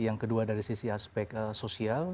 yang kedua dari sisi aspek sosial